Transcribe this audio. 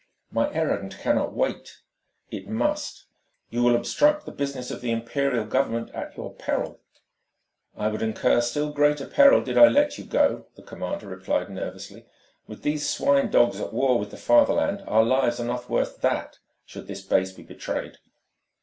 "My errand cannot wait." "It must." "You will obstruct the business of the Imperial Government at your peril." "I would incur still greater peril did I let you go," the commander replied nervously. "With these swine dogs at war with the Fatherland, our lives are not worth that should this base be betrayed."